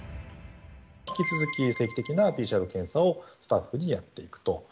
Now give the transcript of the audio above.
引き続き定期的なＰＣＲ検査をスタッフにやっていくと。